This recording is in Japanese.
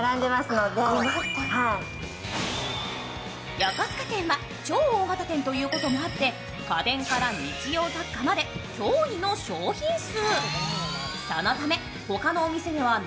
よこすか店は超大型店ということもあって家電から日用雑貨まで驚異の商品数。